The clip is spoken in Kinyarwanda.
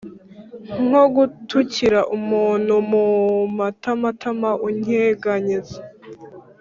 nko g-utukira umu ntu mu matamatama: unyeganyeza